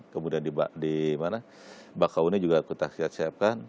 kemudian di bakauni juga kita siapkan